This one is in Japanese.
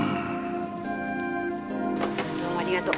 どうもありがとう。